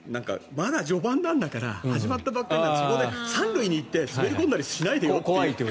まだ序盤なんだから始まったばっかりなんだからそこで３塁に行って滑り込んだりしないでよって。